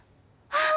あっ！